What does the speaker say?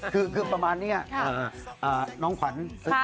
คือประมาณนี้น้องขวัญ